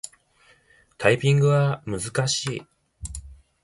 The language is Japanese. タイピングは難しい。